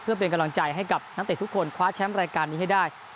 เพื่อเป็นกำลังใจให้กับนักเตะทุกคนคว้าแชมป์รายการนี้ให้ได้